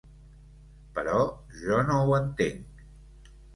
Però jo no ho entenc.